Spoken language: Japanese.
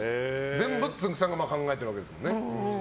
全部つんく♂さんが考えてるわけですもんね。